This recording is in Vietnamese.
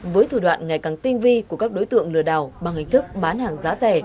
với thủ đoạn ngày càng tinh vi của các đối tượng lừa đảo bằng hình thức bán hàng giá rẻ